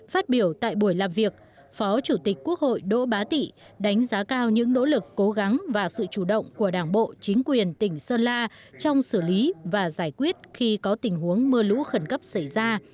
phát biểu tại buổi làm việc phó chủ tịch quốc hội đỗ bá tị đánh giá cao những nỗ lực cố gắng và sự chủ động của đảng bộ chính quyền tỉnh sơn la trong xử lý và giải quyết khi có tình huống mưa lũ khẩn cấp xảy ra